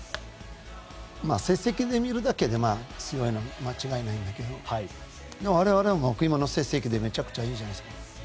まあ、成績で見ると強いのは間違いないけど我々も今の成績でめちゃくちゃいいじゃないですか。